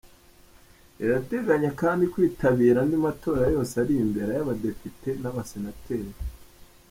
Rirateganya kandi kwitabira andi matora yose ari imbere; ay’Abadepite n’ Abasenateri.